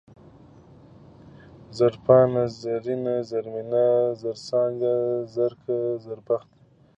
زرپاڼه ، زرينه ، زرمينه ، زرڅانگه ، زرکه ، زربخته